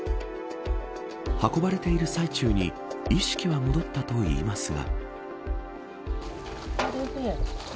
運ばれている最中に意識は戻ったといいますが。